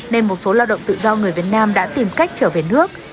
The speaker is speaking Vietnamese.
nên một số lao động tự do người việt nam đã tìm cách trở về nước